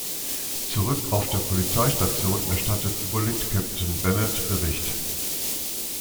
Zurück auf der Polizeistation erstattet Bullitt Captain Bennett Bericht.